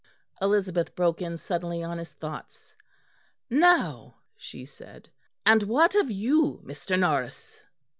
Elizabeth broke in suddenly on his thoughts. "Now," she said, "and what of you, Mr. Norris?"